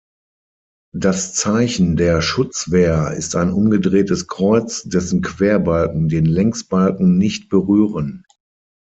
Das Zeichen der Schutzwehr ist ein umgedrehtes Kreuz, dessen Querbalken den Längsbalken nicht berühren.